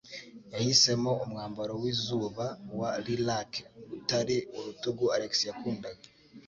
Yahisemo umwambaro wizuba wa lilac utari urutugu Alex yakundaga.